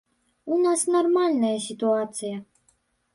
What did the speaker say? У нас нармальная сітуацыя.